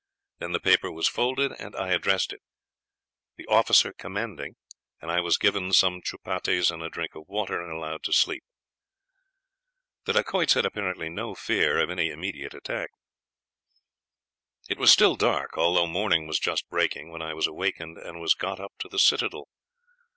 Then the paper was folded and I addressed it, 'The Officer Commanding,' and I was given some chupattis and a drink of water, and allowed to sleep. The Dacoits had apparently no fear of any immediate attack. "It was still dark, although morning was just breaking, when I was awakened, and was got up to the citadel.